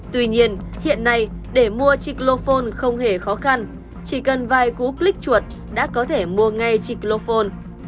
tuy nhiên hiện nay để mua triclofon không hề khó khăn chỉ cần vài cú click chuột đã có thể mua ngay triclofon